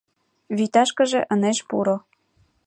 — Вӱташкыже ынеж пуро.